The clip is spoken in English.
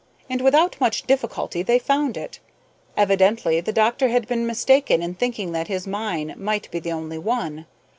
And without much difficulty they found it. Evidently the doctor had been mistaken in thinking that his mine might be the only one.